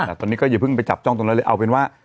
แต่ตอนนี้ก็อย่าเพิ่งไปจับจ้องตรงนั้นเลยเอาเป็นว่า